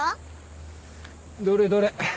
どれどれ。